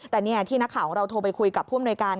แต่นี่ที่นักข่าวของเราโทรไปคุยกับผู้อำนวยการ